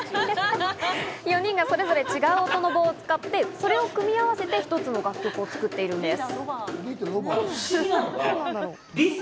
４人がそれぞれ違う音の棒を使って、それを組み合わせて一つの楽曲を作っているんです。